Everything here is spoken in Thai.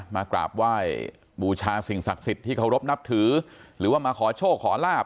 มากราบไหว้บูชาสิ่งศักดิ์สิทธิ์ที่เคารพนับถือหรือว่ามาขอโชคขอลาบ